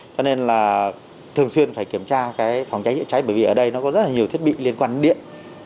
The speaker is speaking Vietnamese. cho nên là thường xuyên phải kiểm tra phòng cháy chữa cháy bởi vì ở đây có rất nhiều thiết bị liên quan đến điện